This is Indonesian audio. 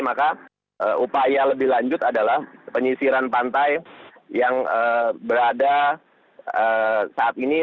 maka upaya lebih lanjut adalah penyisiran pantai yang berada saat ini